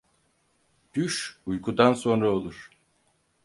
Düş uykudan sonra olur.